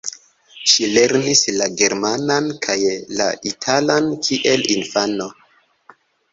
Ŝi lernis la germanan kaj la italan kiel infano.